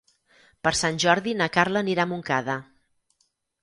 Per Sant Jordi na Carla anirà a Montcada.